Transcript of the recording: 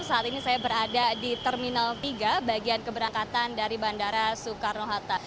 saat ini saya berada di terminal tiga bagian keberangkatan dari bandara soekarno hatta